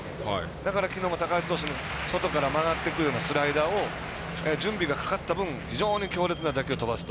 だからきのう高橋投手の曲がってくるようなスライダーを準備がかかった分非常に強烈な打球を飛ばすと。